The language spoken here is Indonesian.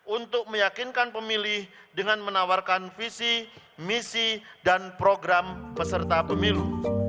untuk meyakinkan pemilih dengan menawarkan visi misi dan program peserta pemilu